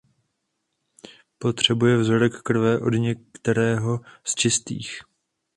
Potřebuje vzorek krve od některého z "Čistých".